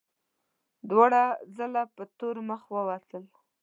دواړه ځله په تور مخ ووتل.